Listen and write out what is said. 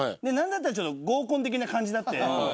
何だったらちょっと合コン的な感じだって。